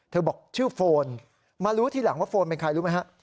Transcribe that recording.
บอกชื่อโฟนมารู้ทีหลังว่าโฟนเป็นใครรู้ไหมฮะ